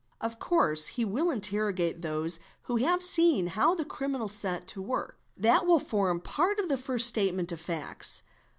Of course: he will interrogate those who have seen how the criminal set to work; that will form part of the first statement of facts.